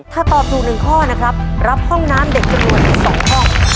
ถ้าตอบถูก๑ข้อนะครับรับห้องน้ำเด็กจำนวนถึง๒ห้อง